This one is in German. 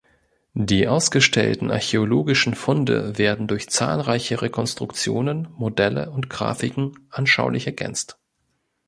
Die ausgestellten archäologischen Funde werden durch zahlreiche Rekonstruktionen, Modelle und Grafiken anschaulich ergänzt.